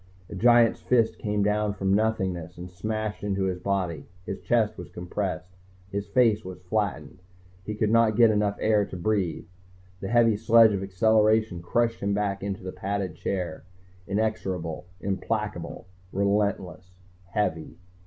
A giant's fist came from out of nothingness and smashed into his body. His chest was compressed, his face was flattened, he could not get enough air to breathe. The heavy sledge of acceleration crushed him back into the padded chair, inexorable, implacable, relentless, heavy.